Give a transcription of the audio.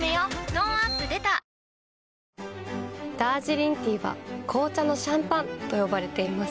トーンアップ出たダージリンティーは紅茶のシャンパンと呼ばれています。